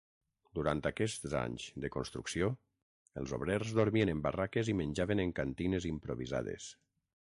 Durant aquests anys de construcció, els obrers dormien en barraques i menjaven en cantines improvisades.